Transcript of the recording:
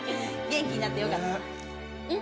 元気になってよかった。